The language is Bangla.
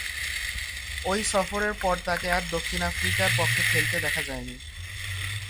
ঐ সফরের পর তাকে আর দক্ষিণ আফ্রিকার পক্ষে খেলতে দেখা যায়নি।